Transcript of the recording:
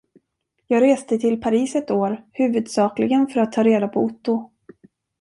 Jag reste till Paris ett år huvudsakligen för att ta reda på Otto.